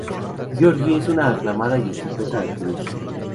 Georgie es una aclamada y exitosa actriz.